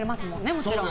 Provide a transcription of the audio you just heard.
もちろん。